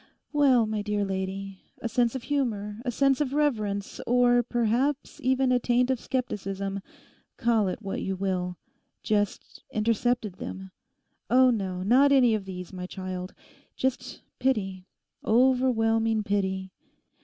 Well, my dear lady, a sense of humour, a sense of reverence, or perhaps even a taint of scepticism—call it what you will—just intercepted them. Oh no, not any of these, my child; just pity, overwhelming pity.